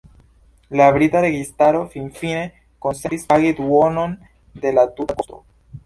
La brita registaro finfine konsentis pagi duonon de la tuta kosto.